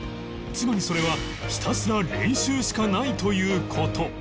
つまりそれはひたすら練習しかないという事